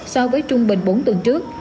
so với trung bình bốn tuần trước